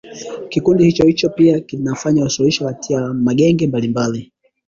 Kikundi hicho pia kinafanya usuluishi kati ya magenge mbalimbali